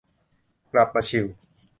กลับมาชิล